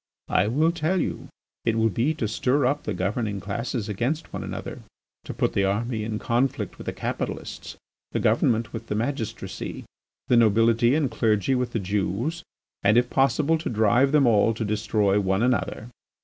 I will tell you: it will be to stir up the governing classes against one another, to put the army in conflict with the capitalists, the government with the magistracy, the nobility and clergy with the Jews, and if possible to drive them all to destroy one another.